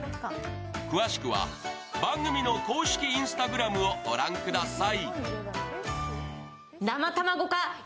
詳しくは番組の公式Ｉｎｓｔａｇｒａｍを御覧ください。